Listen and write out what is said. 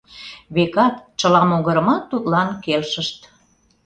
Векат, чыла могырымат тудлан келшышт.